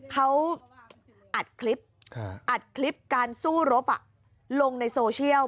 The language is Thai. เขาอัดคลิปอัดคลิปการสู้รบลงในโซเชียล